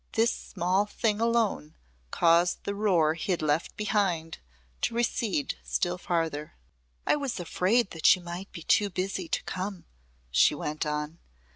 This small thing alone caused the roar he had left behind to recede still farther. "I was afraid that you might be too busy to come," she went on.